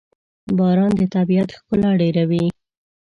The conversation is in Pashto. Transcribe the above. باران د طبیعت ښکلا ډېروي.